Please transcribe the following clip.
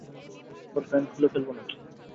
ওর pant খুলে ফেলব নাকি?